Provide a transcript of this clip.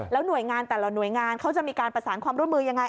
หน่วยงานแต่ละหน่วยงานเขาจะมีการประสานความร่วมมือยังไง